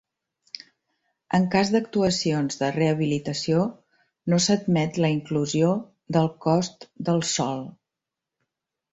En cas d'actuacions de rehabilitació, no s'admet la inclusió del cost del sòl.